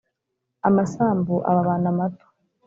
amasambu ababana mato